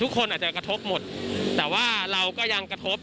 ทุกคนอาจจะกระทบหมดแต่ว่าเราก็ยังกระทบ